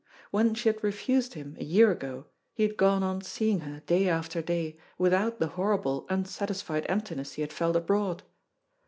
When she had refused him a year ago, he had gone on seeing her day after day, without the horrible, unsatisfied emptiness he had felt abroad.